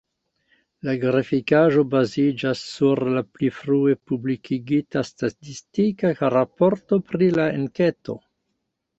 La grafikaĵo baziĝas sur la pli frue publikigita statistika raporto pri la enketo.